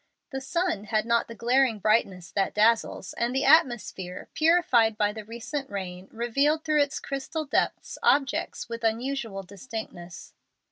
The sun had not the glaring brightness that dazzles, and the atmosphere, purified by the recent rain, revealed through its crystal depths objects with unusual distinctness.